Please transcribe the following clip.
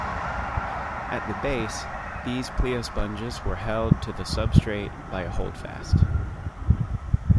At the base, these pleosponges were held to the substrate by a holdfast.